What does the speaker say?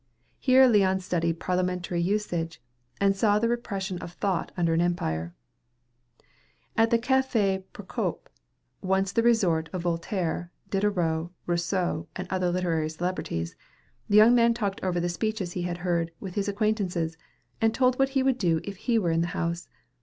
Here Leon studied parliamentary usage, and saw the repression of thought under an empire. At the Café Procope, once the resort of Voltaire, Diderot, Rousseau, and other literary celebrities, the young man talked over the speeches he had heard, with his acquaintances, and told what he would do if he were in the House.